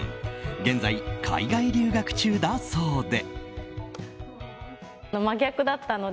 現在、海外留学中だそうで。